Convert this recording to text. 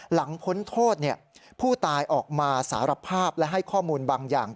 พ้นโทษผู้ตายออกมาสารภาพและให้ข้อมูลบางอย่าง